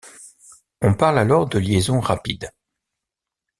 On parle alors de liaisons rapides.